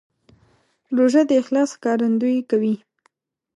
روژه د اخلاص ښکارندویي کوي.